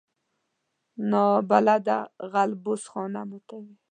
نابلده غل بوس خانه ماتوي